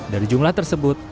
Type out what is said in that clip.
dari jumlah tersebut